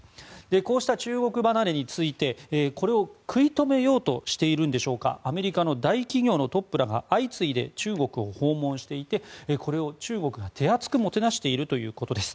こうした中国離れについてこれを食い止めようとしているんでしょうかアメリカの大企業のトップらが相次いで中国を訪問していてこれを中国が手厚くもてなしているということです。